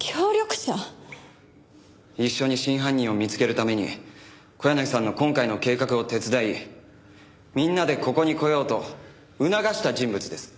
一緒に真犯人を見つけるために小柳さんの今回の計画を手伝いみんなでここに来ようと促した人物です。